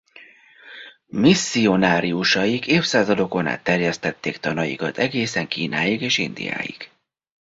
Misszionáriusaik évszázadokon át terjesztették tanaikat egészen Kínáig és Indiáig.